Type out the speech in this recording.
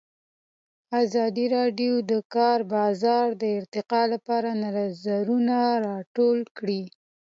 ازادي راډیو د د کار بازار د ارتقا لپاره نظرونه راټول کړي.